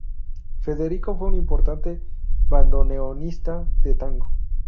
Federico fue un importante bandoneonista de tango.